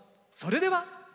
それでは。